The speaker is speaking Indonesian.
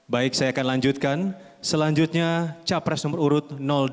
baik saya akan lanjutkan selanjutnya capres nomor urut dua